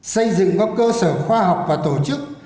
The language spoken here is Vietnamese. xây dựng có cơ sở khoa học và tổ chức